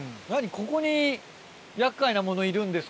ここに厄介なものいるんですか？